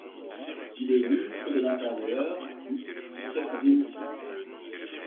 Il est ministre de l'Intérieur du jusqu'à sa démission.